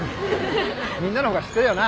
みんなの方が知ってるよな。